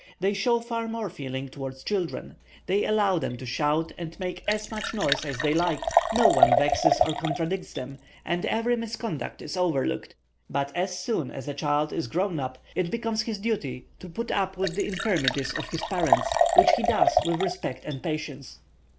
They show far more feeling towards children. They allow them to shout and make as much noise as they like, no one vexes or contradicts them, and every misconduct is overlooked. But as soon as a child is grown up, it becomes his duty to put up with the infirmities of his parents, which he does with respect and patience.